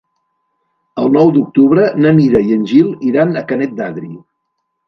El nou d'octubre na Mira i en Gil iran a Canet d'Adri.